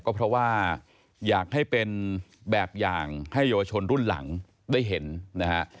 ก็เพราะว่าอยากให้เป็นแบบอย่างให้เยาวชนรุ่นหลังได้เห็นนะฮะ